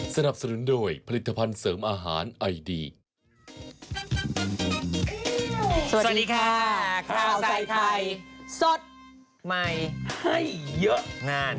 สวัสดีค่ะข้าวใส่ไข่สดใหม่ให้เยอะงาน